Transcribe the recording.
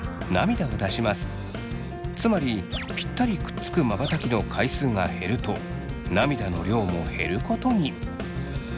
つまりピッタリくっつくまばたきの回数が減ると涙の量も減ることに。